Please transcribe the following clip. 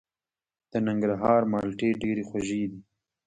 د ننګرهار مالټې ډیرې خوږې دي.